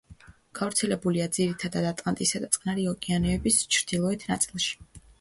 გავრცელებულია ძირითადად ატლანტისა და წყნარი ოკეანეების ჩრდილოეთ ნაწილში.